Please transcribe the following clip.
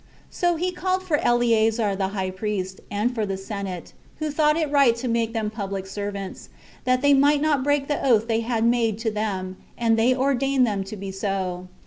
So he called for Eleazar the high priest, and for the senate, who thought it right to make them public servants, that they might not break the oath they had made to them; and they ordained them to be so.